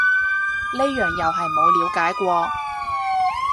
呢樣又係冇了解過